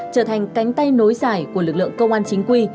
trở thành cánh tay nối dài của lực lượng công an chính quy